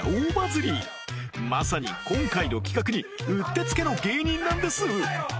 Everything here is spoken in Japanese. まさに今回の企画にうってつけの芸人なんです